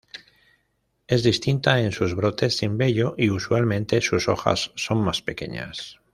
Es distinta en sus brotes sin vello, y usualmente sus hojas son más pequeñas.